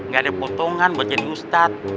gak ada potongan buat jadi ustadz